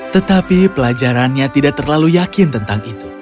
tetapi pelajarannya tidak terlalu yakin tentang itu